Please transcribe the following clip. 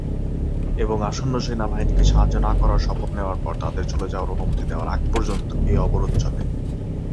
এবং আসন্ন সেনাবাহিনীকে সাহায্য না করার শপথ নেওয়ার পর তাদের চলে যাওয়ার অনুমতি দেওয়ার আগ পর্যন্ত এ অবরোধ চলে।